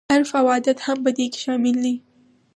عرف او عادت هم په دې کې شامل دي.